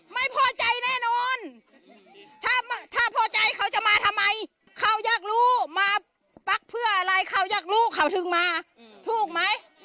ไม่พอใจแน่นอนถ้าพอใจเขาจะมาทำไมเขาอยากรู้มาปั๊กเพื่ออะไรเขาอยากรู้เขาถึงมาถูกไหม